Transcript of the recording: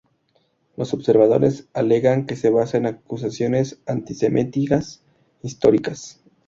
Los observadores alegan que se basa en acusaciones antisemitas históricas.